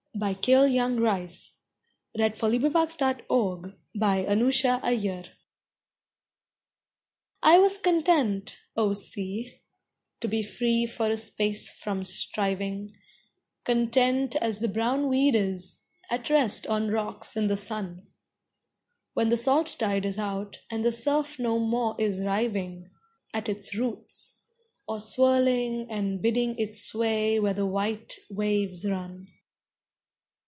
And who wastes beauty shall feel want's sting, As I had done. RESURGENCE I was content, O Sea, to be free for a space from striving, Content as the brown weed is, at rest on rocks in the sun, When the salt tide is out, and the surf no more is riving At its roots, or swirling and bidding it sway where the white waves run.